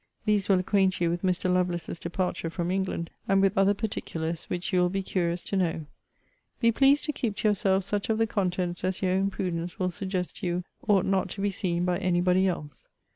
These will acquaint you with Mr. Lovelace's departure from England, and with other particulars, which you will be curious to know. Be pleased to keep to yourself such of the contents as your own prudence will suggest to you ought not to be seen by any body else.